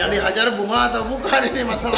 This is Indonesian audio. yang dihajar bunga atau bukan ini masalahnya